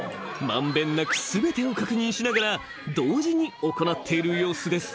［満遍なく全てを確認しながら同時に行っている様子です］